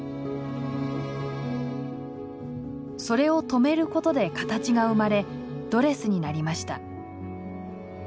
それを留めることで形が生まれドレスになりました。